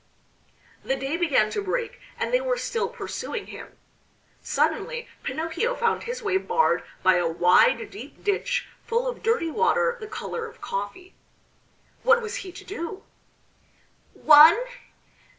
The day began to break and they were still pursuing him. Suddenly Pinocchio found his way barred by a wide, deep ditch full of dirty water the color of coffee. What was he to do? "One!